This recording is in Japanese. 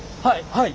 はい。